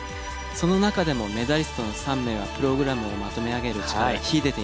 その中でもメダリストの３名はプログラムをまとめ上げる力が秀でていました。